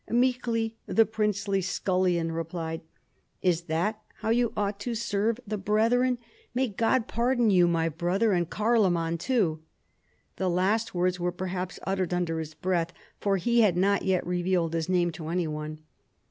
Meekly the princely scullion replied, " Is that how you ought to serve PIPPIN, KING OF THE FRANKS. 69 the brethren? Ma}^ God pardon you, my brother, and Carloman too." The last words were perhaps uttered under his breath, for he had not yet revealed his name to any one.